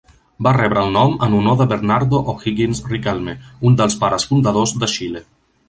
Va rebre el nom en honor de Bernardo O'Higgins Riquelme, un dels pares fundadors de Xile.